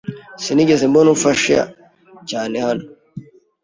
Sinigeze mbona ufasha cyane hano.